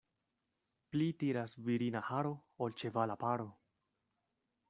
Pli tiras virina haro, ol ĉevala paro.